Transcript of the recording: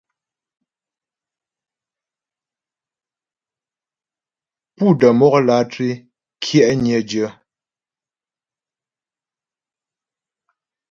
Pú də́ mɔk lǎtré kyɛ'nyə dyə.